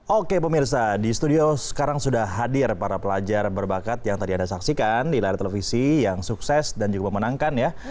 oke pemirsa di studio sekarang sudah hadir para pelajar berbakat yang tadi anda saksikan di layar televisi yang sukses dan juga memenangkan ya